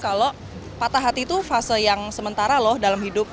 kalau patah hati itu fase yang sementara loh dalam hidup